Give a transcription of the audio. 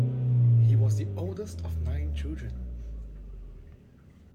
He was the oldest of nine children.